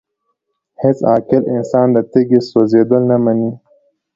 هيڅ عاقل انسان د تيږي سوزيدل نه مني!!